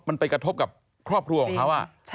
มันไปกระทบกับครอบครัวของเขา